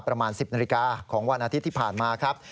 ประมาณ๑๐นาฬิกาของวันอาทิตย์ที่ผ่านมาครับ